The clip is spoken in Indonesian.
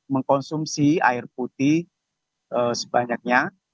mengkonsumsi air putih sebanyaknya